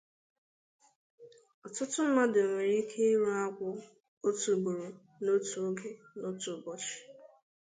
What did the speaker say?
Ọtụtụ mmadụ nwere ike ịrụ agwụ otu ugboro n'otu oge na n'otu ụbọchị